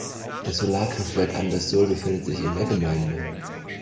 Das Solarkraftwerk Andasol befindet sich in der Gemeinde.